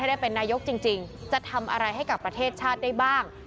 ได้เป็นนายกจริงจะทำอะไรให้กับประเทศชาติได้บ้าง